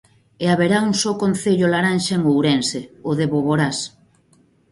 E haberá un só concello laranxa en Ourense: o de Boborás.